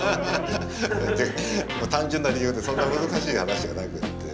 単純な理由でそんな難しい話じゃなくって本当に。